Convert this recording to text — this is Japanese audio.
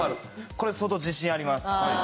これ相当自信あります。